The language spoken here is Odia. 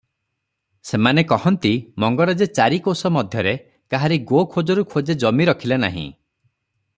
ସେମାନେ କହନ୍ତି, ମଙ୍ଗରାଜେ ଚାରି କୋଶ ମଧ୍ୟରେ କାହାରି ଗୋଖୋଜରୁ ଖୋଜେ ଜମି ରଖିଲେ ନାହିଁ ।